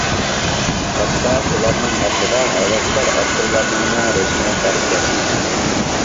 ھەتتا ئۇلارنىڭ ئارىسىدا ھەۋەسكار ئاپتورلارنىڭمۇ رەسىمى بار ئىكەن.